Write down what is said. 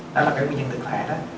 đó là nguyên nhân thực thể đó